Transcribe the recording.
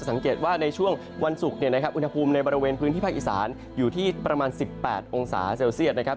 สังเกตว่าในช่วงวันศุกร์เนี่ยนะครับอุณหภูมิในบริเวณพื้นที่ภาคอีสานอยู่ที่ประมาณ๑๘องศาเซลเซียตนะครับ